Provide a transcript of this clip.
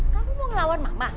kamu mau ngelawan mama